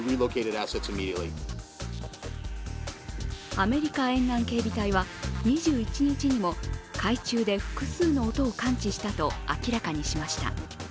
アメリカ沿岸警備隊は２１日にも海中で複数の音を感知したと明らかにしました。